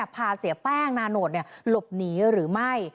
เสียแป้งนาโนตหลบหนีหรือไม่